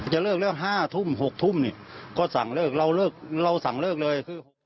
จะเลิกเลิกห้าทุ่มหกทุ่มก็สั่งเลิกเราสั่งเลิกเลย